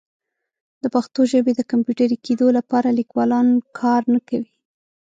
د پښتو ژبې د کمپیوټري کیدو لپاره لیکوالان کار نه کوي.